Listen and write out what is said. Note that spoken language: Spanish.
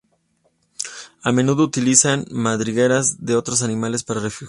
A menudo utilizan madrigueras de otros animales para refugiarse.